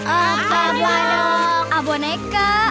apa banyak abun eka